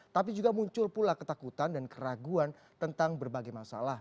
tapi juga muncul pula ketakutan dan keraguan tentang berbagai masalah